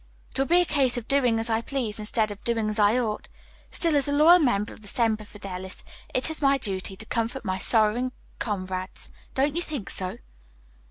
"It will be a case of doing as I please instead of doing as I ought. Still, as a loyal member of Semper Fidelis it is my duty to comfort my sorrowing comrades. Don't you think so?"